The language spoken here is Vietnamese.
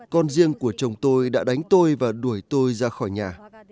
con riêng của chồng tôi đã đánh tôi và đuổi tôi ra khỏi nhà